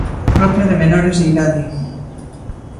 Propio de menores de idade.